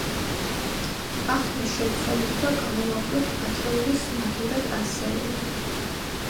ახლა შევცვალოთ და გამოვაკლოთ ათეულის მაგივრად ასეული.